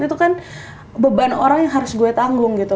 itu kan beban orang yang harus gue tanggung gitu